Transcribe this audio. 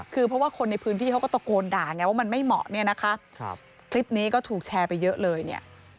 คือเพราะว่าคนในพื้นที่เขาก็ตะโกนด่าไงว่ามันไม่เหมาะเนี่ยนะคะคลิปนี้ก็ถูกแชร์ไปเยอะเลยเนี่ย